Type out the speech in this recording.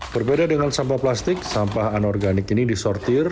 berbeda dengan sampah plastik sampah anorganik ini disortir